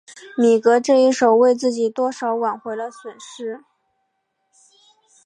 米格这一手为自己多少挽回了损失。